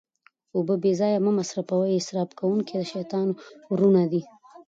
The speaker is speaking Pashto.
اوبه بې ځایه مه مصرفوئ، اسراف کونکي د شيطان وروڼه دي